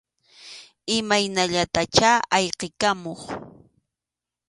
Imaynallatachá ayqikamuq.